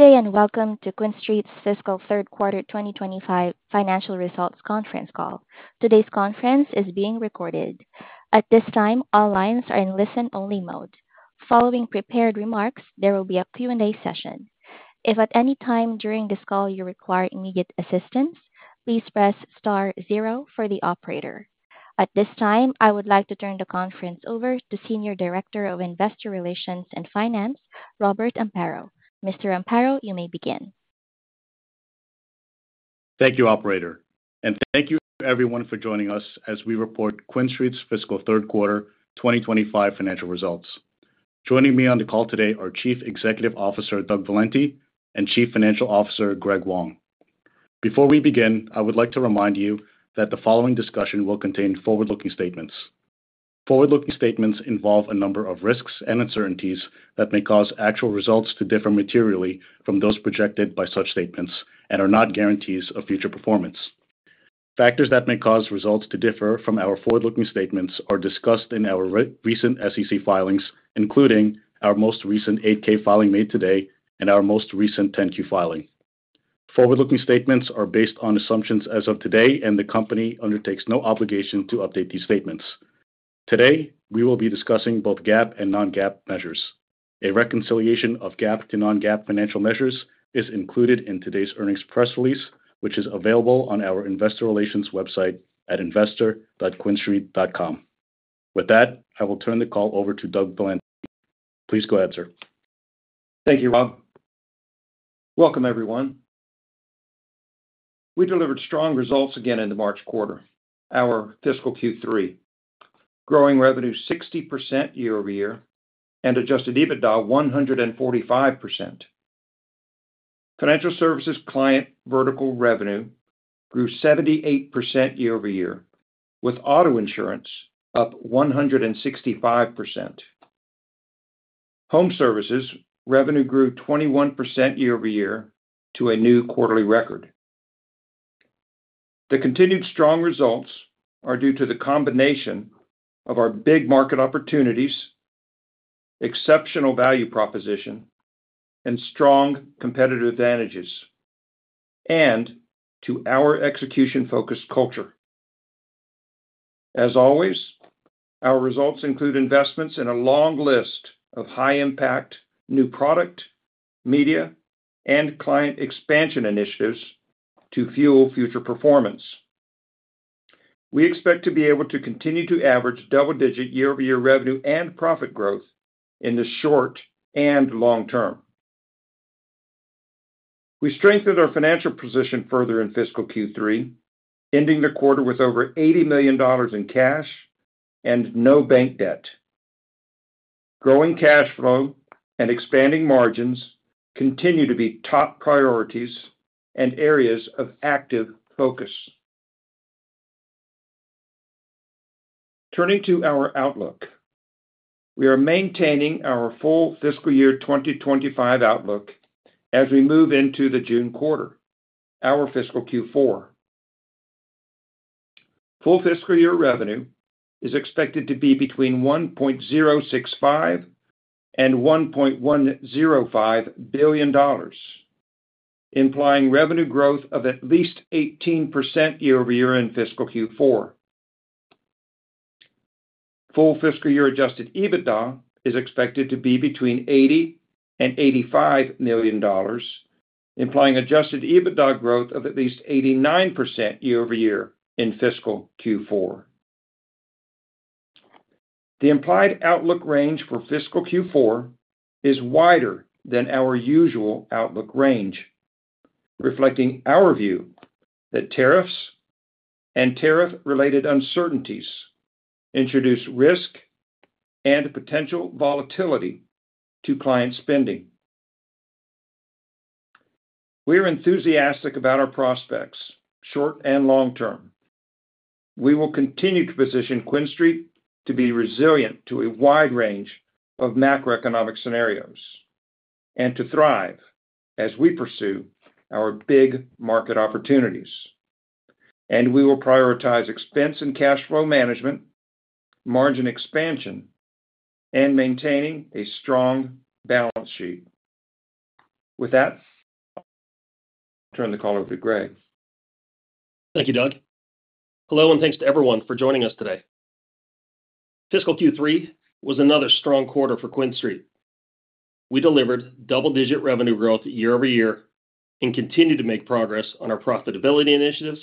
Good day and welcome to QuinStreet's Fiscal Third Quarter 2025 financial results conference call. Today's conference is being recorded. At this time, all lines are in listen-only mode. Following prepared remarks, there will be a Q&A session. If at any time during this call you require immediate assistance, please press star zero for the operator. At this time, I would like to turn the conference over to Senior Director of Investor Relations and Finance, Robert Amparo. Mr. Amparo, you may begin. Thank you, Operator, and thank you to everyone for joining us as we report QuinStreet's Fiscal Third Quarter 2025 financial results. Joining me on the call today are Chief Executive Officer Doug Valenti, and Chief Financial Officer Greg Wong. Before we begin, I would like to remind you that the following discussion will contain forward-looking statements. Forward-looking statements involve a number of risks and uncertainties that may cause actual results to differ materially from those projected by such statements and are not guarantees of future performance. Factors that may cause results to differ from our forward-looking statements are discussed in our recent SEC filings, including our most recent 8-K filing made today and our most recent 10-Q filing. Forward-looking statements are based on assumptions as of today, and the company undertakes no obligation to update these statements. Today, we will be discussing both GAAP and non-GAAP measures. A reconciliation of GAAP to non-GAAP financial measures is included in today's earnings press release, which is available on our Investor Relations website at investor.quinstreet.com. With that, I will turn the call over to Doug Valenti. Please go ahead, sir. Thank you, Rob. Welcome, everyone. We delivered strong results again in the March quarter, our fiscal Q3, growing revenue 60% year-over-year and adjusted EBITDA 145%. Financial services client vertical revenue grew 78% year-over-year, with auto insurance up 165%. Home services revenue grew 21% year-over-year to a new quarterly record. The continued strong results are due to the combination of our big market opportunities, exceptional value proposition, and strong competitive advantages, and to our execution-focused culture. As always, our results include investments in a long list of high-impact new product, media, and client expansion initiatives to fuel future performance. We expect to be able to continue to average double-digit year-over-year revenue and profit growth in the short and long term. We strengthened our financial position further in fiscal Q3, ending the quarter with over $80 million in cash and no bank debt. Growing cash flow and expanding margins continue to be top priorities and areas of active focus. Turning to our outlook, we are maintaining our full fiscal year 2025 outlook as we move into the June quarter, our fiscal Q4. Full fiscal year revenue is expected to be between $1.065 billion and $1.105 billion, implying revenue growth of at least 18% year-over-year in fiscal Q4. Full fiscal year adjusted EBITDA is expected to be between $80 million and $85 million, implying adjusted EBITDA growth of at least 89% year-over-year in fiscal Q4. The implied outlook range for fiscal Q4 is wider than our usual outlook range, reflecting our view that tariffs and tariff-related uncertainties introduce risk and potential volatility to client spending. We are enthusiastic about our prospects, short and long term. We will continue to position QuinStreet to be resilient to a wide range of macroeconomic scenarios and to thrive as we pursue our big market opportunities. We will prioritize expense and cash flow management, margin expansion, and maintaining a strong balance sheet. With that, I'll turn the call over to Greg. Thank you, Doug. Hello, and thanks to everyone for joining us today. Fiscal Q3 was another strong quarter for QuinStreet. We delivered double-digit revenue growth year-over-year and continue to make progress on our profitability initiatives,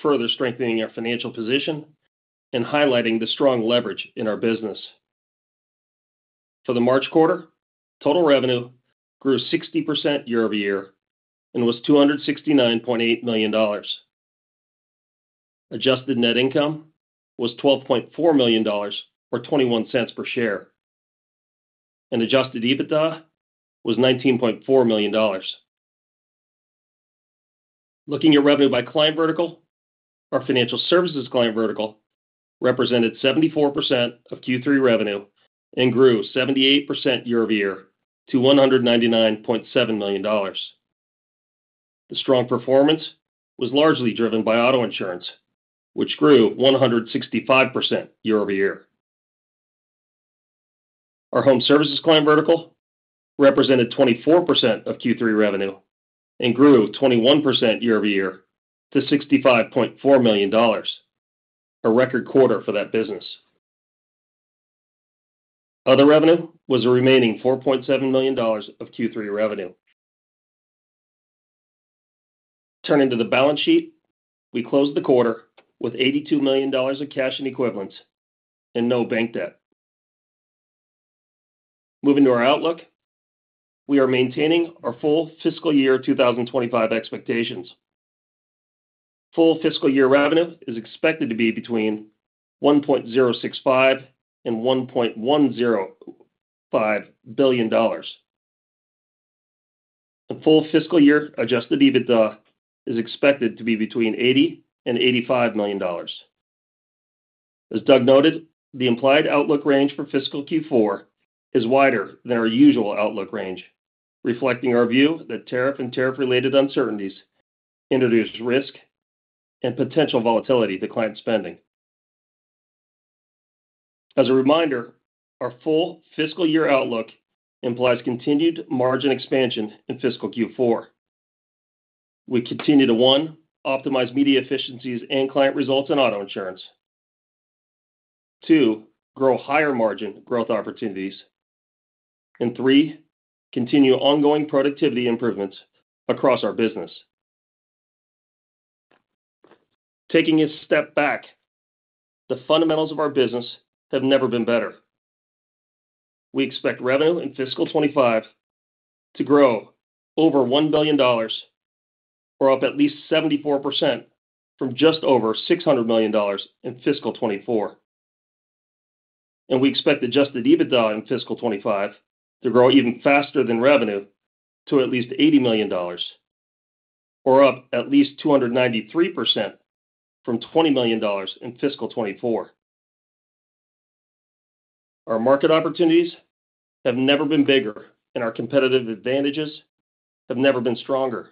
further strengthening our financial position and highlighting the strong leverage in our business. For the March quarter, total revenue grew 60% year-over-year and was $269.8 million. Adjusted net income was $12.4 million or $0.21 per share, and adjusted EBITDA was $19.4 million. Looking at revenue by client vertical, our financial services client vertical represented 74% of Q3 revenue and grew 78% year-over-year to $199.7 million. The strong performance was largely driven by auto insurance, which grew 165% year-over-year. Our home services client vertical represented 24% of Q3 revenue and grew 21% year-over-year to $65.4 million, a record quarter for that business. Other revenue was the remaining $4.7 million of Q3 revenue. Turning to the balance sheet, we closed the quarter with $82 million of cash and equivalents and no bank debt. Moving to our outlook, we are maintaining our full fiscal year 2025 expectations. Full fiscal year revenue is expected to be between $1.065 billion and $1.105 billion. The full fiscal year adjusted EBITDA is expected to be between $80 million and $85 million. As Doug noted, the implied outlook range for fiscal Q4 is wider than our usual outlook range, reflecting our view that tariff and tariff-related uncertainties introduce risk and potential volatility to client spending. As a reminder, our full fiscal year outlook implies continued margin expansion in fiscal Q4. We continue to, one, optimize media efficiencies and client results in auto insurance; two, grow higher margin growth opportunities; and three, continue ongoing productivity improvements across our business. Taking a step back, the fundamentals of our business have never been better. We expect revenue in fiscal 2025 to grow over $1 billion, or up at least 74% from just over $600 million in fiscal 2024. We expect adjusted EBITDA in fiscal 2025 to grow even faster than revenue to at least $80 million, or up at least 293% from $20 million in fiscal 2024. Our market opportunities have never been bigger, and our competitive advantages have never been stronger.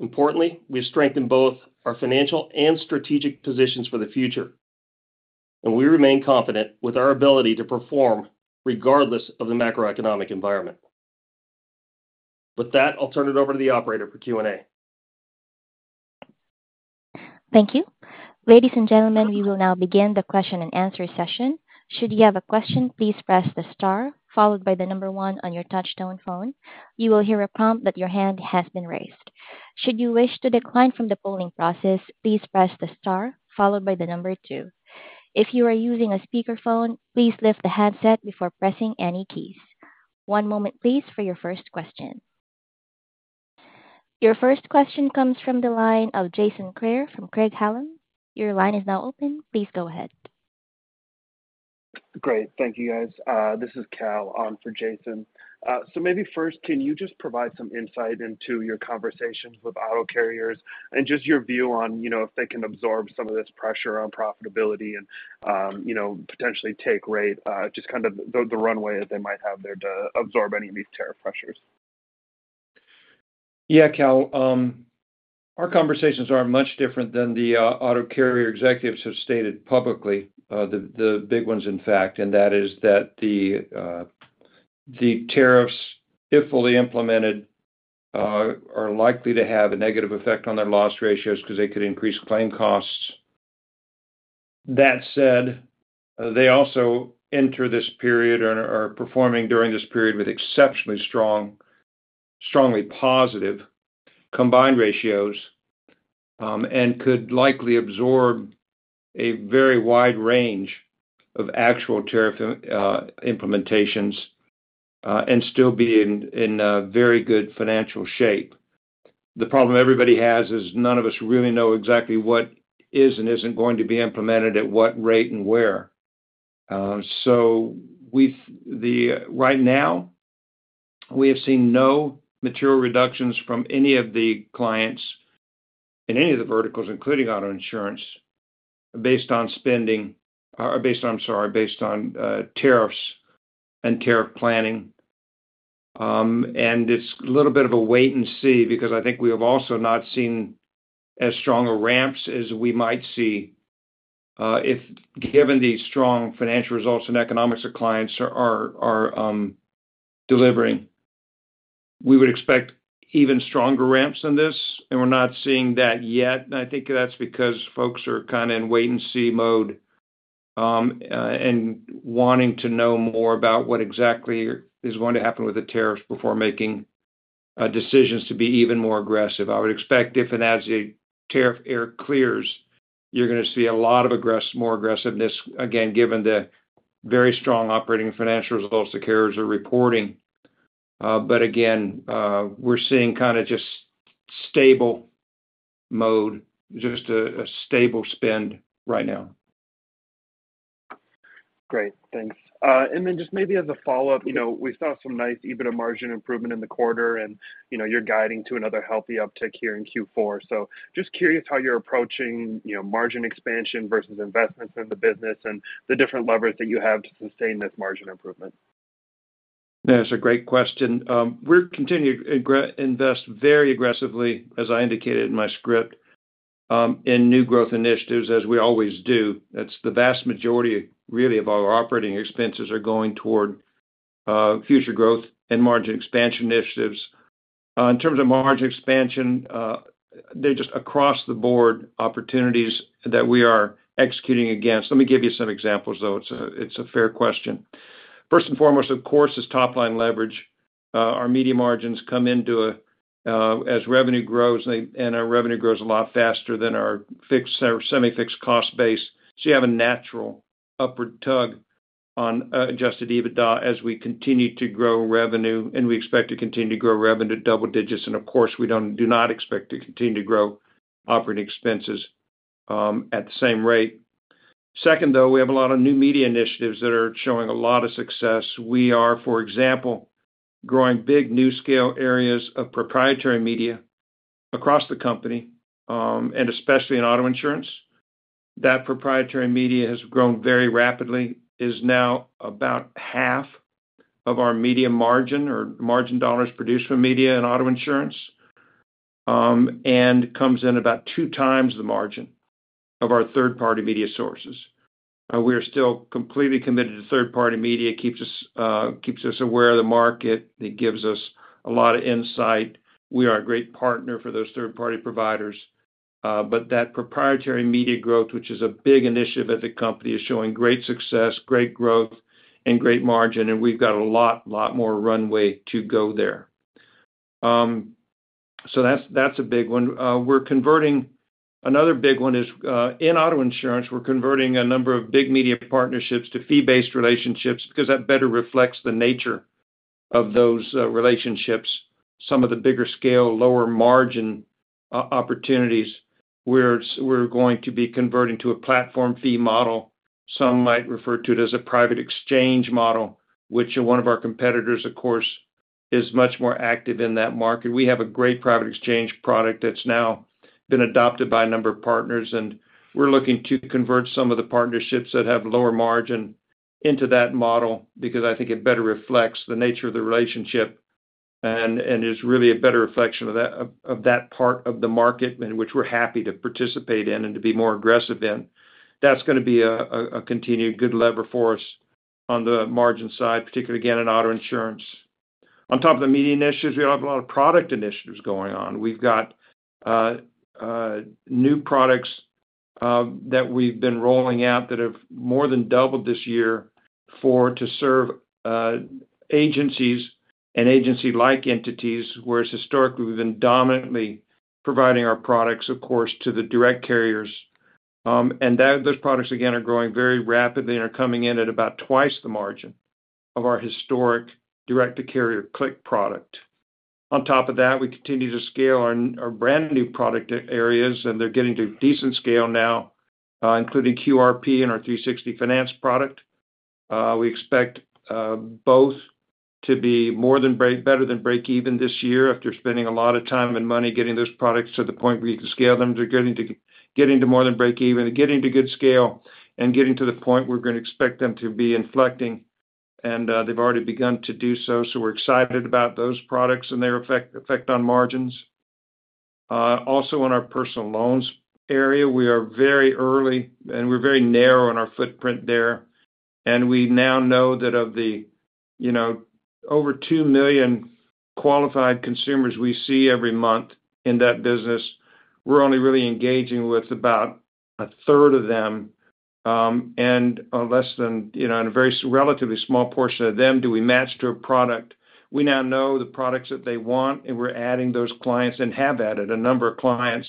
Importantly, we have strengthened both our financial and strategic positions for the future, and we remain confident with our ability to perform regardless of the macroeconomic environment. With that, I'll turn it over to the Operator for Q&A. Thank you. Ladies and gentlemen, we will now begin the question-and-answer session. Should you have a question, please press the star, followed by the number one on your touch-tone phone. You will hear a prompt that your hand has been raised. Should you wish to decline from the polling process, please press the star, followed by the number two. If you are using a speakerphone, please lift the headset before pressing any keys. One moment, please, for your first question. Your first question comes from the line of Jason Kreyer from Craig-Hallum. Your line is now open. Please go ahead. Great. Thank you, guys. This is Cal on for Jason. Maybe first, can you just provide some insight into your conversations with auto carriers and just your view on if they can absorb some of this pressure on profitability and potentially take rate, just kind of the runway that they might have there to absorb any of these tariff pressures? Yeah, Cal. Our conversations are much different than the auto carrier executives have stated publicly, the big ones, in fact, and that is that the tariffs, if fully implemented, are likely to have a negative effect on their loss ratios because they could increase claim costs. That said, they also enter this period or are performing during this period with exceptionally strong, strongly positive combined ratios and could likely absorb a very wide range of actual tariff implementations and still be in very good financial shape. The problem everybody has is none of us really know exactly what is and isn't going to be implemented, at what rate, and where. Right now, we have seen no material reductions from any of the clients in any of the verticals, including auto insurance, based on spending or, I'm sorry, based on tariffs and tariff planning. It is a little bit of a wait-and-see because I think we have also not seen as strong a ramp as we might see if, given the strong financial results and economics that clients are delivering. We would expect even stronger ramps than this, and we are not seeing that yet. I think that is because folks are kind of in wait-and-see mode and wanting to know more about what exactly is going to happen with the tariffs before making decisions to be even more aggressive. I would expect if and as the tariff air clears, you are going to see a lot more aggressiveness, again, given the very strong operating financial results the carriers are reporting. Again, we are seeing kind of just stable mode, just a stable spend right now. Great. Thanks. Maybe as a follow-up, we saw some nice EBITDA margin improvement in the quarter, and you're guiding to another healthy uptick here in Q4. Just curious how you're approaching margin expansion versus investments in the business and the different levers that you have to sustain this margin improvement. That's a great question. We're continuing to invest very aggressively, as I indicated in my script, in new growth initiatives, as we always do. That's the vast majority, really, of our operating expenses are going toward future growth and margin expansion initiatives. In terms of margin expansion, they're just across-the-board opportunities that we are executing against. Let me give you some examples, though. It's a fair question. First and foremost, of course, is top-line leverage. Our media margins come into as revenue grows, and our revenue grows a lot faster than our fixed or semi-fixed cost base. You have a natural upward tug on adjusted EBITDA as we continue to grow revenue, and we expect to continue to grow revenue to double digits. Of course, we do not expect to continue to grow operating expenses at the same rate. Second, though, we have a lot of new media initiatives that are showing a lot of success. We are, for example, growing big new scale areas of proprietary media across the company, and especially in auto insurance. That proprietary media has grown very rapidly, is now about half of our media margin or margin dollars produced for media and auto insurance, and comes in at about two times the margin of our third-party media sources. We are still completely committed to third-party media. It keeps us aware of the market. It gives us a lot of insight. We are a great partner for those third-party providers. That proprietary media growth, which is a big initiative at the company, is showing great success, great growth, and great margin. We've got a lot, lot more runway to go there. That is a big one. Another big one is in auto insurance, we're converting a number of big media partnerships to fee-based relationships because that better reflects the nature of those relationships. Some of the bigger scale, lower margin opportunities, we're going to be converting to a platform fee model. Some might refer to it as a private exchange model, which one of our competitors, of course, is much more active in that market. We have a great private exchange product that's now been adopted by a number of partners. We're looking to convert some of the partnerships that have lower margin into that model because I think it better reflects the nature of the relationship and is really a better reflection of that part of the market in which we're happy to participate in and to be more aggressive in. That's going to be a continued good lever for us on the margin side, particularly, again, in auto insurance. On top of the media initiatives, we have a lot of product initiatives going on. We've got new products that we've been rolling out that have more than doubled this year to serve agencies and agency-like entities, whereas historically, we've been dominantly providing our products, of course, to the direct carriers. Those products, again, are growing very rapidly and are coming in at about twice the margin of our historic direct-to-carrier click product. On top of that, we continue to scale our brand new product areas, and they're getting to decent scale now, including QRP and our 360 Finance product. We expect both to be more than better than break-even this year after spending a lot of time and money getting those products to the point where you can scale them. They're getting to more than break-even, getting to good scale, and getting to the point we're going to expect them to be inflecting. They've already begun to do so. We are excited about those products and their effect on margins. Also, in our personal loans area, we are very early, and we're very narrow in our footprint there. We now know that of the over 2 million qualified consumers we see every month in that business, we're only really engaging with about a third of them. In a very relatively small portion of them, do we match to a product? We now know the products that they want, and we are adding those clients and have added a number of clients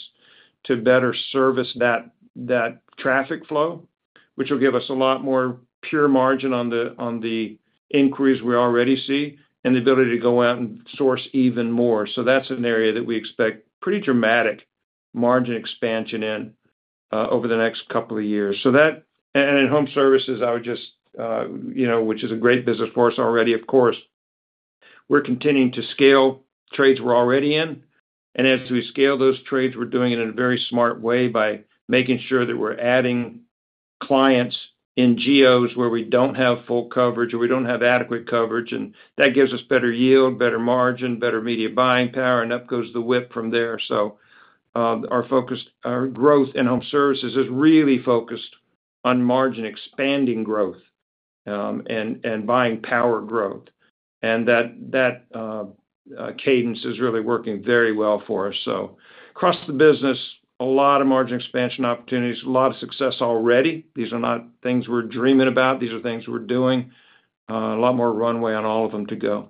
to better service that traffic flow, which will give us a lot more pure margin on the inquiries we already see and the ability to go out and source even more. That is an area that we expect pretty dramatic margin expansion in over the next couple of years. In home services, I would just, which is a great business for us already, of course, we are continuing to scale trades we are already in. As we scale those trades, we are doing it in a very smart way by making sure that we are adding clients in geos where we do not have full coverage or we do not have adequate coverage. That gives us better yield, better margin, better media buying power, and up goes the WIP from there. Our growth in home services is really focused on margin-expanding growth and buying power growth. That cadence is really working very well for us. Across the business, a lot of margin expansion opportunities, a lot of success already. These are not things we're dreaming about. These are things we're doing. A lot more runway on all of them to go.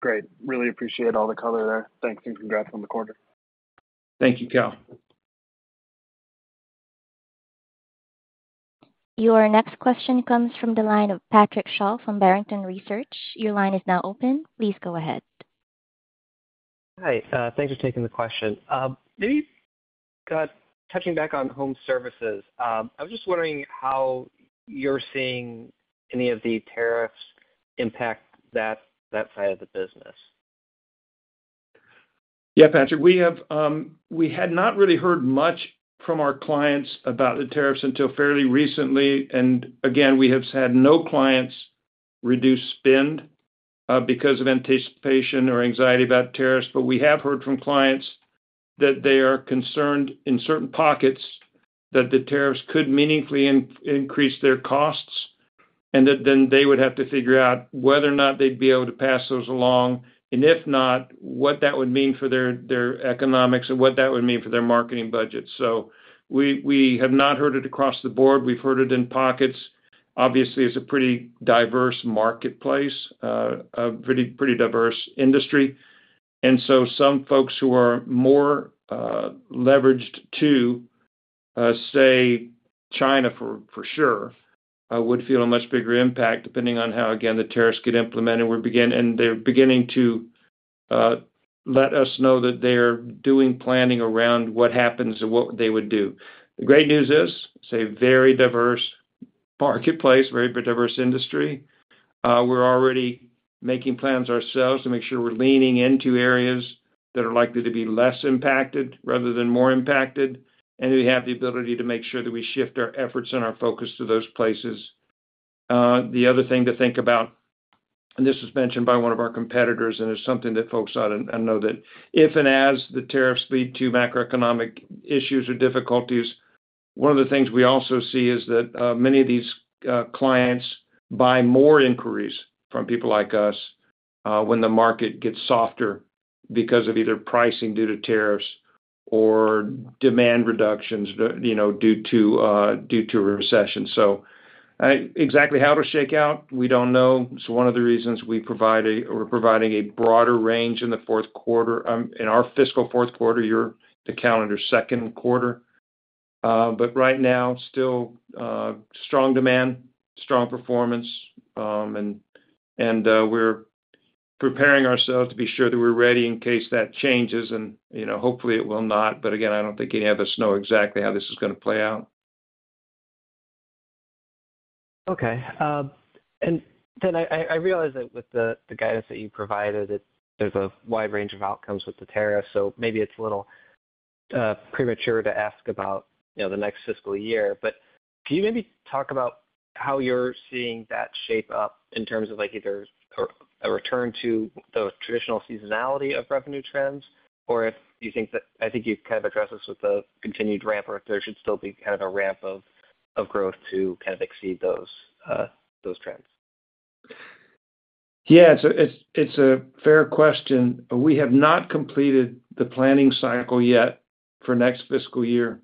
Great. Really appreciate all the color there. Thanks and congrats on the quarter. Thank you, Cal. Your next question comes from the line of Patrick Sholl from Barrington Research. Your line is now open. Please go ahead. Hi. Thanks for taking the question. Maybe touching back on home services, I was just wondering how you're seeing any of the tariffs' impact that side of the business. Yeah, Patrick, we had not really heard much from our clients about the tariffs until fairly recently. We have had no clients reduce spend because of anticipation or anxiety about tariffs. We have heard from clients that they are concerned in certain pockets that the tariffs could meaningfully increase their costs, and that then they would have to figure out whether or not they'd be able to pass those along. If not, what that would mean for their economics and what that would mean for their marketing budgets? We have not heard it across the board. We've heard it in pockets. Obviously, it's a pretty diverse marketplace, a pretty diverse industry. Some folks who are more leveraged to, say, China for sure, would feel a much bigger impact depending on how, again, the tariffs get implemented. They are beginning to let us know that they are doing planning around what happens and what they would do. The great news is it is a very diverse marketplace, very diverse industry. We are already making plans ourselves to make sure we are leaning into areas that are likely to be less impacted rather than more impacted. We have the ability to make sure that we shift our efforts and our focus to those places. The other thing to think about, and this was mentioned by one of our competitors, and it is something that folks ought to know, is that if and as the tariffs lead to macroeconomic issues or difficulties, one of the things we also see is that many of these clients buy more inquiries from people like us when the market gets softer because of either pricing due to tariffs or demand reductions due to a recession. Exactly how it'll shake out, we don't know. It's one of the reasons we're providing a broader range in the fourth quarter. In our fiscal fourth quarter, you're the calendar second quarter. Right now, still strong demand, strong performance. We're preparing ourselves to be sure that we're ready in case that changes. Hopefully, it will not. Again, I don't think any of us know exactly how this is going to play out. Okay. I realize that with the guidance that you provided, there's a wide range of outcomes with the tariffs. Maybe it's a little premature to ask about the next fiscal year. Can you maybe talk about how you're seeing that shape up in terms of either a return to the traditional seasonality of revenue trends, or if you think that, I think you've kind of addressed this with the continued ramp, or if there should still be kind of a ramp of growth to kind of exceed those trends? Yeah. So it's a fair question. We have not completed the planning cycle yet for next fiscal year.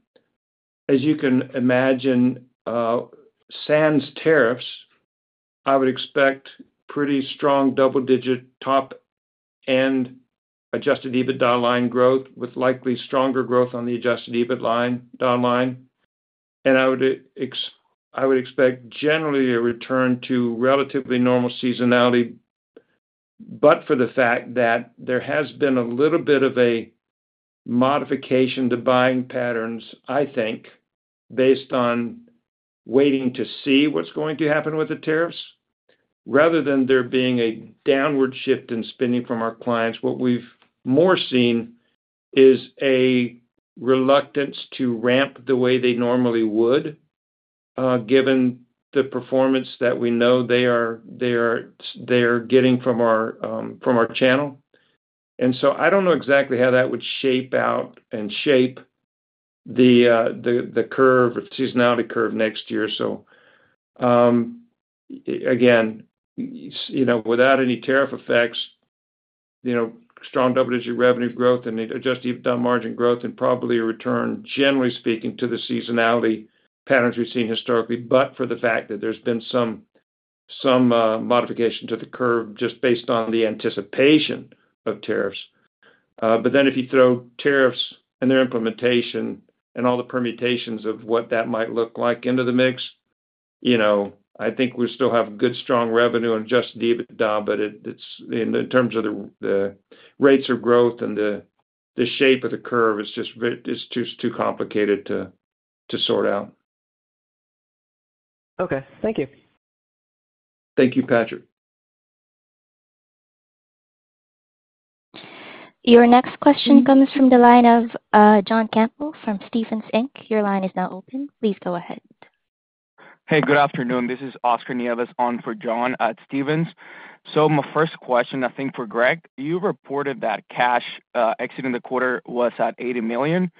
As you can imagine, SANS tariffs, I would expect pretty strong double-digit top-end adjusted EBITDA line growth, with likely stronger growth on the adjusted EBITDA line. I would expect generally a return to relatively normal seasonality. For the fact that there has been a little bit of a modification to buying patterns, I think, based on waiting to see what's going to happen with the tariffs. Rather than there being a downward shift in spending from our clients, what we've more seen is a reluctance to ramp the way they normally would, given the performance that we know they are getting from our channel. I don't know exactly how that would shape out and shape the seasonality curve next year. Again, without any tariff effects, strong double-digit revenue growth and adjusted EBITDA margin growth, and probably a return, generally speaking, to the seasonality patterns we've seen historically. But for the fact that there's been some modification to the curve just based on the anticipation of tariffs. If you throw tariffs and their implementation and all the permutations of what that might look like into the mix, I think we still have good, strong revenue and adjusted EBITDA, but in terms of the rates of growth and the shape of the curve, it's just too complicated to sort out. Okay. Thank you. Thank you, Patrick. Your next question comes from the line of John Campbell from Stephens Inc. Your line is now open. Please go ahead. Hey, good afternoon. This is Oscar Nieves on for John at Stephens. My first question, I think for Greg, you reported that cash exiting the quarter was at $80 million.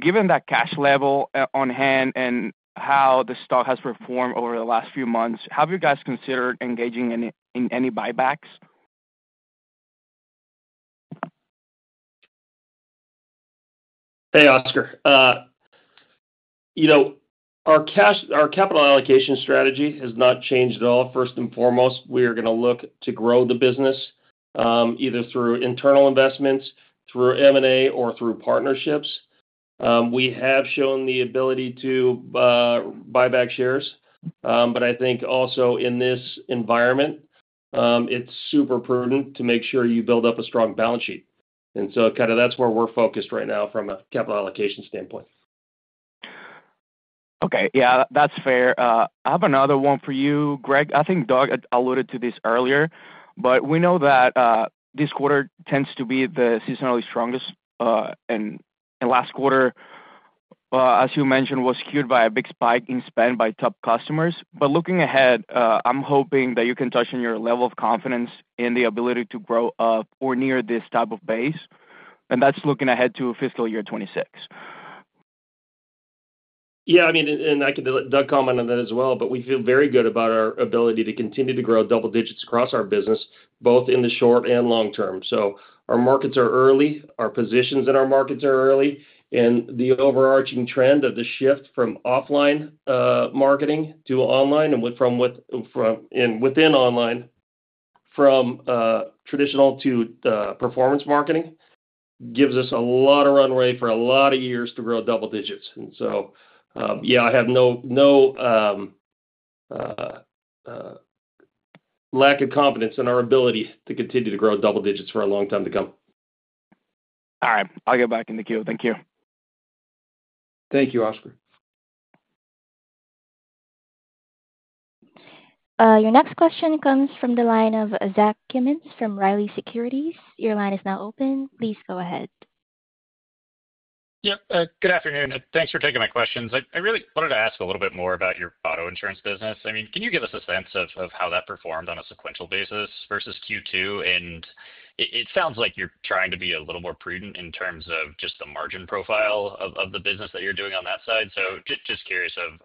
Given that cash level on hand and how the stock has performed over the last few months, have you guys considered engaging in any buybacks? Hey, Oscar. Our capital allocation strategy has not changed at all. First and foremost, we are going to look to grow the business either through internal investments, through M&A, or through partnerships. We have shown the ability to buy back shares. I think also in this environment, it's super prudent to make sure you build up a strong balance sheet. Kind of, that's where we're focused right now from a capital allocation standpoint. Okay. Yeah, that's fair. I have another one for you, Greg. I think Doug alluded to this earlier, but we know that this quarter tends to be the seasonally strongest. Last quarter, as you mentioned, was skewed by a big spike in spend by top customers. Looking ahead, I'm hoping that you can touch on your level of confidence in the ability to grow up or near this type of base. That's looking ahead to fiscal year 2026. Yeah. I mean, and I could let Doug comment on that as well. We feel very good about our ability to continue to grow double digits across our business, both in the short and long term. Our markets are early. Our positions in our markets are early. The overarching trend of the shift from offline marketing to online and within online from traditional to performance marketing gives us a lot of runway for a lot of years to grow double digits. Yeah, I have no lack of confidence in our ability to continue to grow double digits for a long time to come. All right. I'll get back in the queue. Thank you. Thank you, Oscar. Your next question comes from the line of Zach Cummins from Riley Securities. Your line is now open. Please go ahead. Yep. Good afternoon. Thanks for taking my questions. I really wanted to ask a little bit more about your auto insurance business. I mean, can you give us a sense of how that performed on a sequential basis versus Q2? It sounds like you're trying to be a little more prudent in terms of just the margin profile of the business that you're doing on that side. Just curious of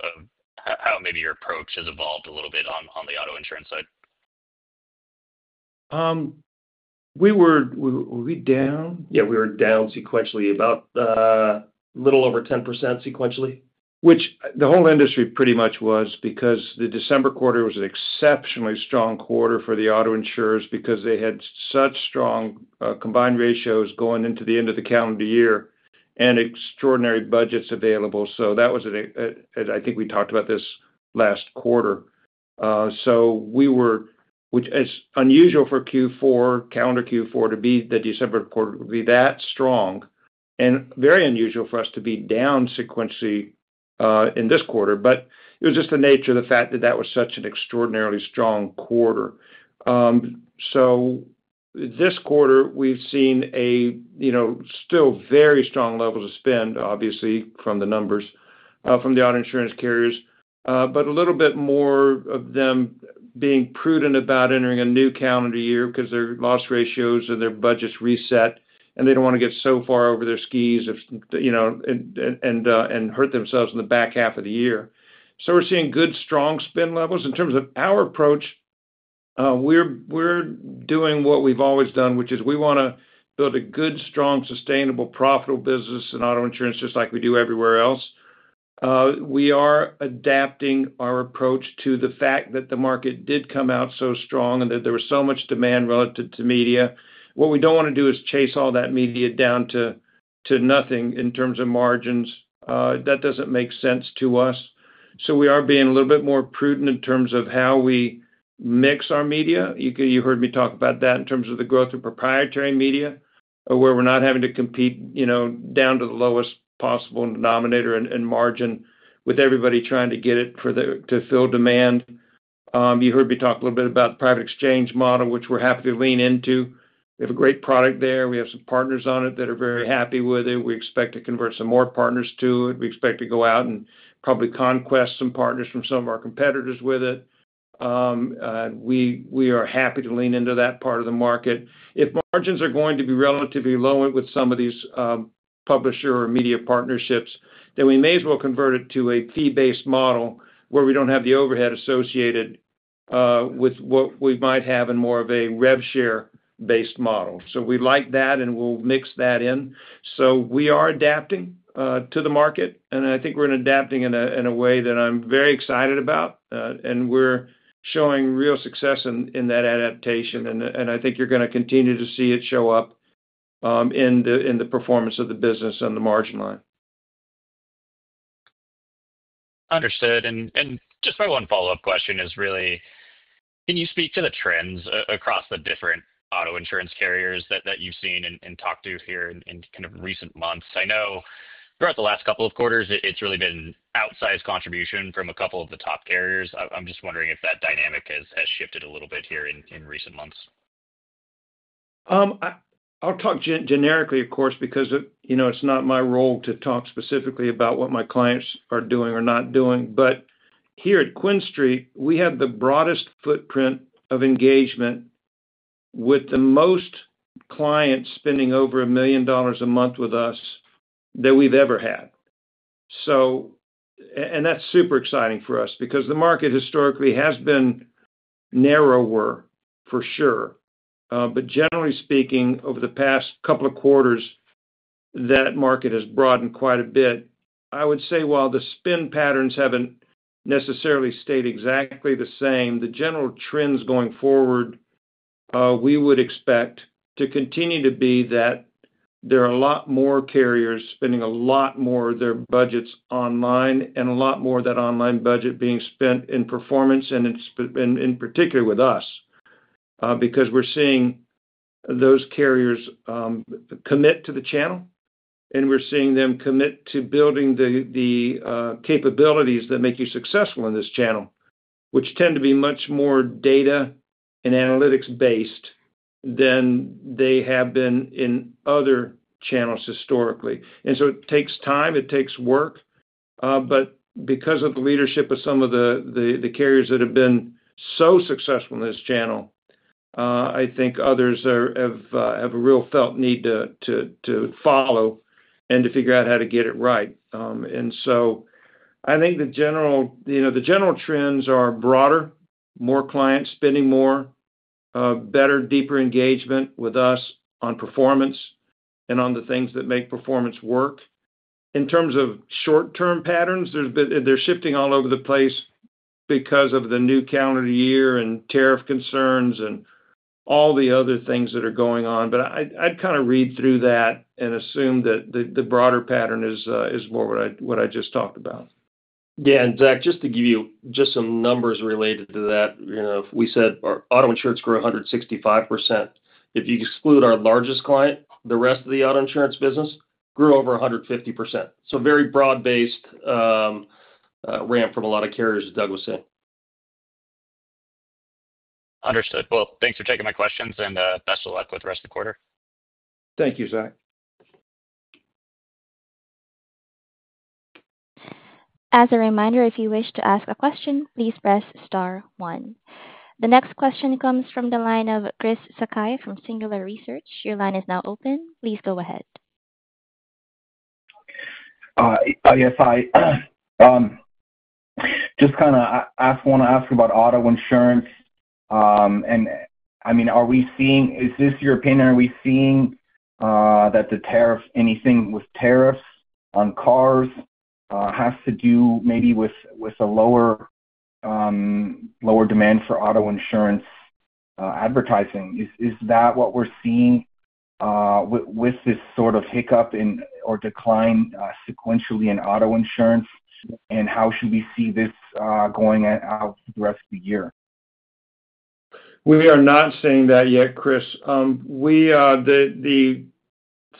how maybe your approach has evolved a little bit on the auto insurance side. We were down. Yeah, we were down sequentially about a little over 10% sequentially, which the whole industry pretty much was, because the December quarter was an exceptionally strong quarter for the auto insurers, because they had such strong combined ratios going into the end of the calendar year and extraordinary budgets available. That was, I think, we talked about this last quarter. We were, which is unusual for calendar Q4, that December quarter would be that strong. It is very unusual for us to be down sequentially in this quarter. It was just the nature of the fact that that was such an extraordinarily strong quarter. This quarter, we've seen still very strong levels of spend, obviously, from the numbers from the auto insurance carriers. A little bit more of them being prudent about entering a new calendar year because their loss ratios and their budgets reset, and they do not want to get so far over their skis and hurt themselves in the back half of the year. We are seeing good, strong spend levels. In terms of our approach, we are doing what we have always done, which is we want to build a good, strong, sustainable, profitable business in auto insurance just like we do everywhere else. We are adapting our approach to the fact that the market did come out so strong and that there was so much demand relative to media. What we do not want to do is chase all that media down to nothing in terms of margins. That does not make sense to us. We are being a little bit more prudent in terms of how we mix our media. You heard me talk about that in terms of the growth of proprietary media where we're not having to compete down to the lowest possible denominator and margin with everybody trying to get it to fill demand. You heard me talk a little bit about the private exchange model, which we're happy to lean into. We have a great product there. We have some partners on it that are very happy with it. We expect to convert some more partners to it. We expect to go out and probably conquest some partners from some of our competitors with it. We are happy to lean into that part of the market. If margins are going to be relatively low with some of these publisher or media partnerships, then we may as well convert it to a fee-based model where we do not have the overhead associated with what we might have in more of a rev share-based model. We like that, and we will mix that in. We are adapting to the market, and I think we are adapting in a way that I am very excited about. We are showing real success in that adaptation. I think you are going to continue to see it show up in the performance of the business and the margin line. Understood. Just my one follow-up question is really, can you speak to the trends across the different auto insurance carriers that you've seen and talked to here in kind of recent months? I know throughout the last couple of quarters, it's really been outsized contribution from a couple of the top carriers. I'm just wondering if that dynamic has shifted a little bit here in recent months. I'll talk generically, of course, because it's not my role to talk specifically about what my clients are doing or not doing. Here at QuinStreet, we have the broadest footprint of engagement with the most clients spending over $1 million a month with us that we've ever had. That's super exciting for us because the market historically has been narrower, for sure. Generally speaking, over the past couple of quarters, that market has broadened quite a bit. I would say while the spend patterns haven't necessarily stayed exactly the same, the general trends going forward, we would expect to continue to be that there are a lot more carriers spending a lot more of their budgets online and a lot more of that online budget being spent in performance and in particular with us because we're seeing those carriers commit to the channel. We're seeing them commit to building the capabilities that make you successful in this channel, which tend to be much more data and analytics-based than they have been in other channels historically. It takes time. It takes work. Because of the leadership of some of the carriers that have been so successful in this channel, I think others have a real felt need to follow and to figure out how to get it right. I think the general trends are broader, more clients spending more, better, deeper engagement with us on performance, and on the things that make performance work. In terms of short-term patterns, they're shifting all over the place because of the new calendar year and tariff concerns, and all the other things that are going on. I'd kind of read through that and assume that the broader pattern is more what I just talked about. Yeah. And Zach, just to give you just some numbers related to that, we said our auto insurance grew 165%. If you exclude our largest client, the rest of the auto insurance business grew over 150%. So very broad-based ramp from a lot of carriers, as Doug was saying. Understood. Thanks for taking my questions, and best of luck with the rest of the quarter. Thank you, Zach. As a reminder, if you wish to ask a question, please press star one. The next question comes from the line of Chris Sakai from Singular Research. Your line is now open. Please go ahead. Yes, I just kind of want to ask about auto insurance. I mean, is this your opinion? Are we seeing that anything with tariffs on cars has to do maybe with a lower demand for auto insurance advertising? Is that what we're seeing with this sort of hiccup or decline sequentially in auto insurance? How should we see this going out for the rest of the year? We are not seeing that yet, Chris. The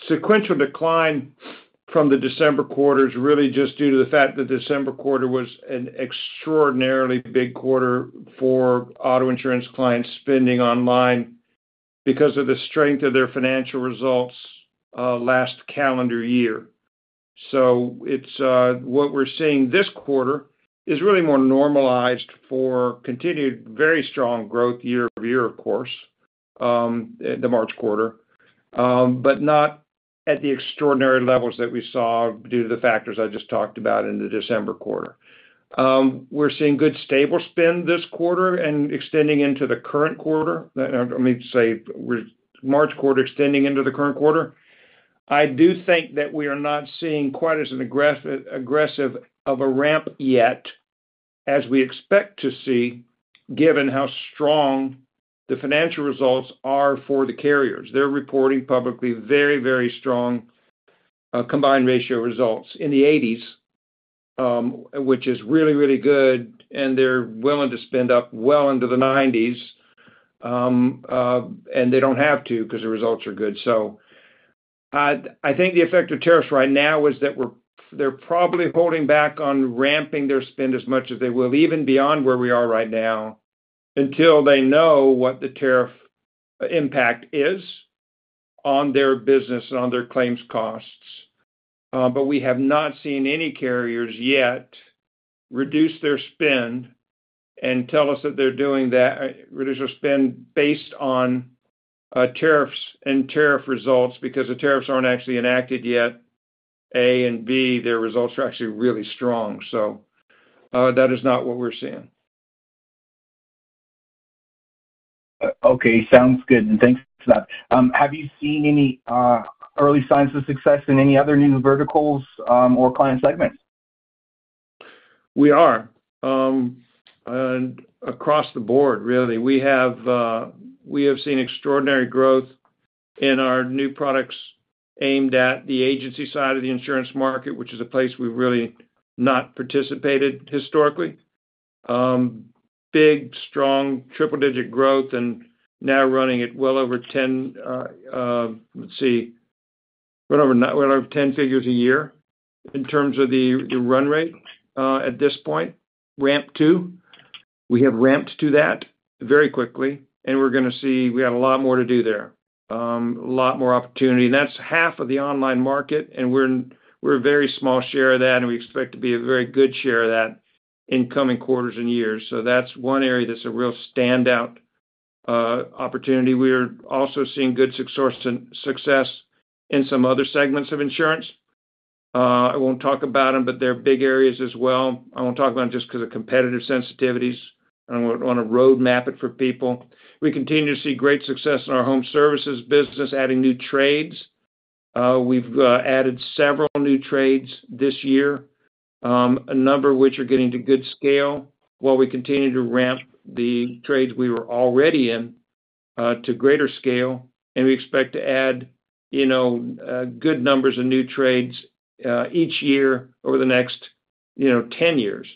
sequential decline from the December quarter is really just due to the fact that December quarter was an extraordinarily big quarter for auto insurance clients spending online because of the strength of their financial results last calendar year. What we are seeing this quarter is really more normalized for continued very strong growth year over year, of course, the March quarter, but not at the extraordinary levels that we saw due to the factors I just talked about in the December quarter. We are seeing good, stable spend this quarter and extending into the current quarter. Let me say March quarter extending into the current quarter. I do think that we are not seeing quite as aggressive of a ramp yet as we expect to see, given how strong the financial results are for the carriers. They're reporting publicly very, very strong combined ratio results in the 80s, which is really, really good. They're willing to spend up well into the 90s. They do not have to because the results are good. I think the effect of tariffs right now is that they're probably holding back on ramping their spend as much as they will, even beyond where we are right now, until they know what the tariff impact is on their business and on their claims costs. We have not seen any carriers yet reduce their spend and tell us that they're doing that, reduce their spend based on tariffs and tariff results, because the tariffs are not actually enacted yet. A and B, their results are actually really strong. That is not what we're seeing. Okay. Sounds good. Thanks for that. Have you seen any early signs of success in any other new verticals or client segments? We are. Across the board, really, we have seen extraordinary growth in our new products aimed at the agency side of the insurance market, which is a place we've really not participated historically. Big, strong triple-digit growth and now running at well over 10—let's see—well over 10 figures a year in terms of the run rate at this point. Ramp two. We have ramped to that very quickly. We are going to see we have a lot more to do there, a lot more opportunity. That is half of the online market. We are a very small share of that. We expect to be a very good share of that in coming quarters and years. That is one area that is a real standout opportunity. We are also seeing good success in some other segments of insurance. I will not talk about them, but they are big areas as well. I won't talk about them just because of competitive sensitivities. I don't want to roadmap it for people. We continue to see great success in our home services business, adding new trades. We've added several new trades this year, a number of which are getting to good scale while we continue to ramp the trades we were already in to greater scale. We expect to add good numbers of new trades each year over the next 10 years.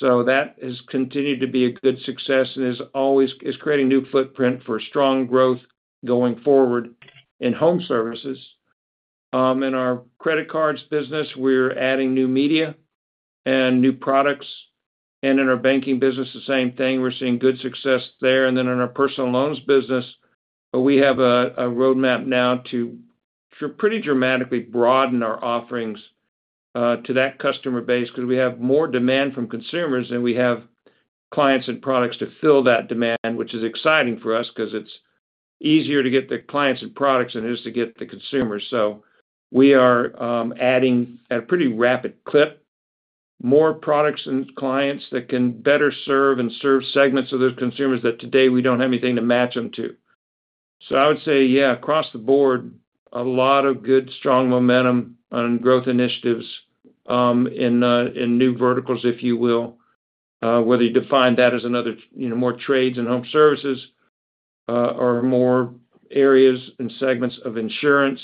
That has continued to be a good success and is creating new footprint for strong growth going forward in home services. In our credit cards business, we're adding new media and new products. In our banking business, the same thing. We're seeing good success there. In our personal loans business, we have a roadmap now to pretty dramatically broaden our offerings to that customer base because we have more demand from consumers than we have clients and products to fill that demand, which is exciting for us because it's easier to get the clients and products than it is to get the consumers. We are adding at a pretty rapid clip more products and clients that can better serve and serve segments of those consumers that today we do not have anything to match them to. I would say, yeah, across the board, a lot of good, strong momentum on growth initiatives in new verticals, if you will, whether you define that as more trades and home services, or more areas and segments of insurance,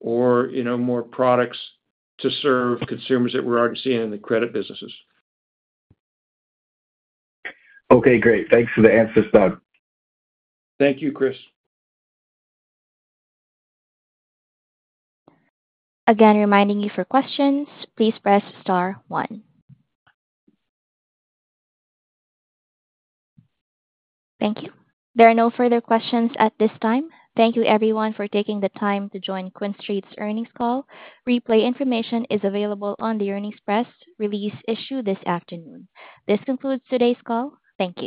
or more products to serve consumers that we are already seeing in the credit businesses. Okay. Great. Thanks for the answers, Doug. Thank you, Chris. Again, reminding you for questions, please press star one. Thank you. There are no further questions at this time. Thank you, everyone, for taking the time to join QuinStreet's earnings call. Replay information is available on the earnings press release issued this afternoon. This concludes today's call. Thank you.